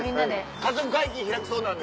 家族会議開くそうなんで。